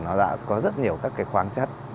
nó đã có rất nhiều các cái khoáng chất